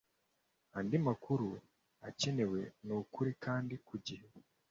andi makuru akenewe y ukuri kandi ku gihe